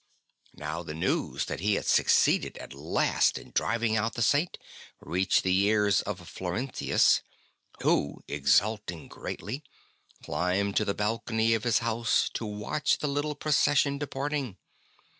Now the news that he had succeeded at last in driving out the Saint reached the ears of Florentius, who, exulting greatly, climbed to the balcony of his house to watch the little procession departing.